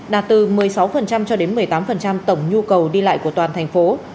đạt từ một mươi sáu cho đến một mươi tám tổng nhu cầu đi lại của toàn thành phố